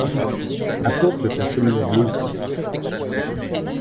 Apporte ta chemise bleue.